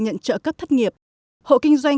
nhận trợ cấp thất nghiệp hộ kinh doanh